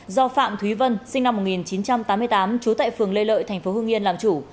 do phạm thúy vân sinh năm một nghìn chín trăm tám mươi tám trú tại phường lê lợi tp hương yên làm chủ